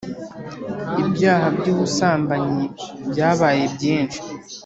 Ibyaha by’ubusambanyibyabaye byinshi